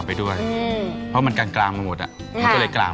ไม่ได้เมียรู้สึก